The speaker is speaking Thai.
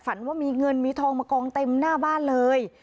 ฝันว่ามีเงินมีทองมากองเต็มหน้าบ้านเลย